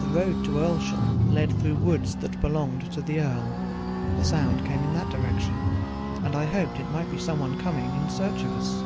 The road to Earlshall led through woods that belonged to the earl; the sound came in that direction, and I hoped it might be some one coming in search of us.